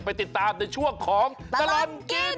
ไปติดตามในช่วงของตลอดกิน